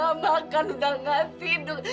tante udah gak makan udah gak tidur